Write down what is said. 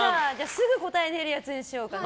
すぐ答えられるやつにしようかな。